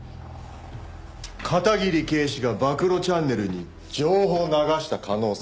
片桐警視が暴露チャンネルに情報を流した可能性が？